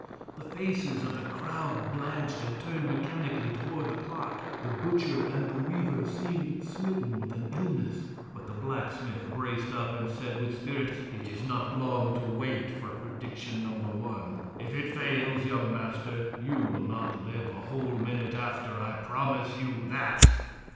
The faces of the crowd blanched, and turned mechanically toward the clock. The butcher and the weaver seemed smitten with an illness, but the blacksmith braced up and said, with spirit: "It is not long to wait for prediction number one. If it fails, young master, you will not live a whole minute after, I promise you that."